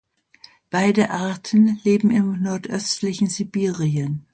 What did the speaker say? Beide Arten leben im nordöstlichen Sibirien.